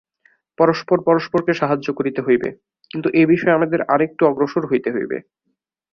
পরস্পর পরস্পরকে সাহায্য করিতে হইবে, কিন্তু এ-বিষয়ে আমাদের আর একটু অগ্রসর হইতে হইবে।